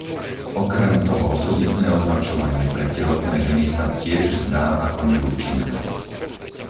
Okrem toho osobitné označovanie pre tehotné ženy sa tiež zdá ako neúčinné.